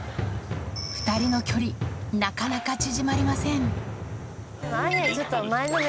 ２人の距離なかなか縮まりませんえっ